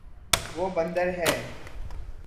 وہ بندر ہے